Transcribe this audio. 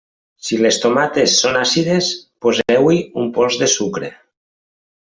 Si les tomates són àcides, poseu-hi un pols de sucre.